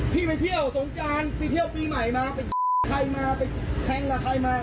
พี่ไปเที่ยวสงการไปเที่ยวปีใหม่มาเป็นใครมาไปแทงกับใครมา